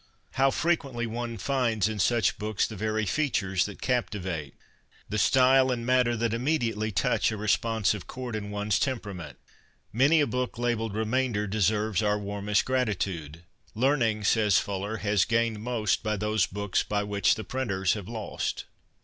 How fre quently one finds in such books the very features that captivate — the style and matter that immediately touch a responsive chord in one's temperament ! Many a book labelled ' Remainder ' deserves our warmest gratitude. ' Learning,' says Fuller, ' has gained most by those books by which the printers have lost.'